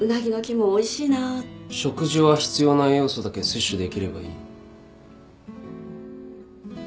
食事は必要な栄養素だけ摂取できればいい。